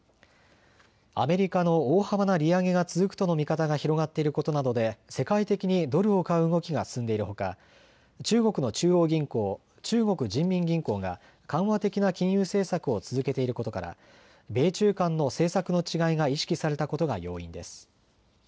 アメリカの大幅な利上げが続くとの見方が広がっていることなどで世界的にドルを買う動きが進んでいるほか中国の中央銀行、中国人民銀行が緩和的な金融政策を続けていることから米中間の政策の違いが意識されたことが要因です。